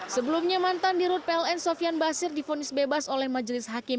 sebelumnya mantan di rut pln sofian basir difonis bebas oleh majelis hakim